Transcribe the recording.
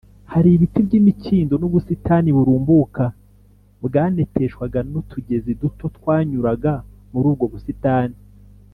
hari ibiti by’imikindo n’ubusitani burumbuka bwaneteshwaga n’utugezi duto twanyuraga muri ubwo busitani